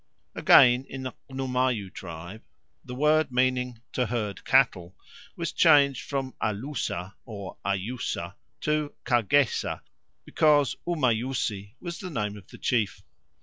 Again, in the Xnumayo tribe the word meaning "to herd cattle" was changed from alusa or ayusa to kagesa, because u Mayusi was the name of the chief.